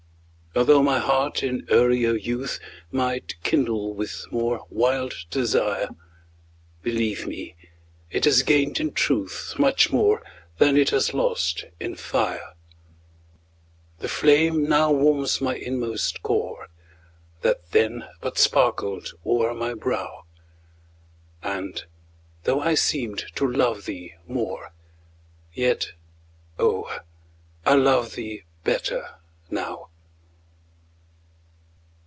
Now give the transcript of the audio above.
Altho' my heart in earlier youth Might kindle with more wild desire, Believe me, it has gained in truth Much more than it has lost in fire. The flame now warms my inmost core, That then but sparkled o'er my brow, And, though I seemed to love thee more, Yet, oh, I love thee better now.